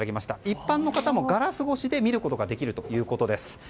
一般の方もガラス越しで見ることができるということです。